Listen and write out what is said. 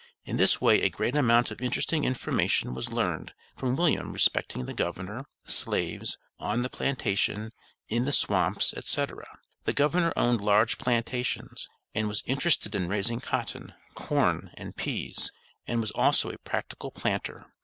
In this way a great amount of interesting information was learned from William respecting the governor, slaves, on the plantation, in the swamps, etc. The governor owned large plantations, and was interested in raising cotton, corn, and peas, and was also a practical planter.